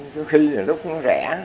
có khi là lúc nó rẻ